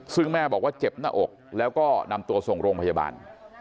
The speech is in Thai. ซึ่งแม่บอกว่าเจ็บหน้าอกแล้วก็นำตัวส่งโรงพยาบาล